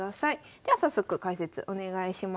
では早速解説お願いします。